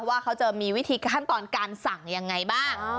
ว่าเขาจะมีวิธีขั้นตอนการสั่งยังไงบ้าง